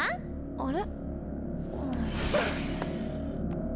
あれ？